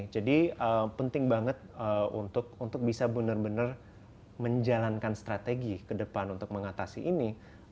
jadi penting banget untuk bisa benar benar menjalankan strategi ke depan untuk mengatasi ini